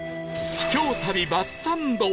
秘境旅バスサンド